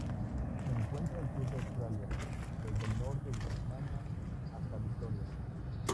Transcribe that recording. Se encuentra al sur de Australia: desde el norte de Tasmania hasta Victoria.